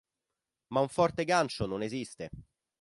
Ma un forte gancio non esiste".